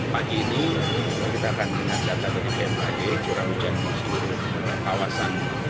pagi ini kita akan mengajakkan di bnpg curah hujan di seluruh kawasan